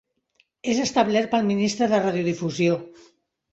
És establert pel Ministre de Radiodifusió.